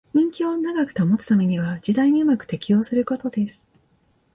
人気を長く保つためには時代にうまく適応することです